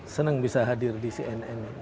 senang bisa hadir di cnn